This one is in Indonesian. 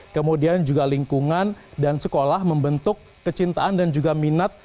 kemudian juga lingkungan dan sekolah membentuk kecintaan dan juga minat